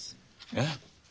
えっ？